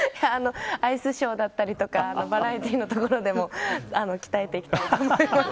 アイスショーだったりとかバラエティーのところでも鍛えていきたいです。